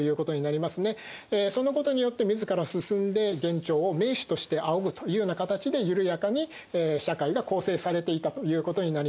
そのことによって自ら進んで元朝を盟主として仰ぐというような形でゆるやかに社会が構成されていたということになります。